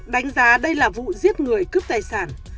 đánh giá đây là vụ giết người cướp tài sản